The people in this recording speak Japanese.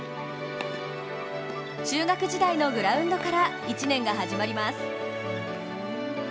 中学時代のグラウンドから一年が始まります。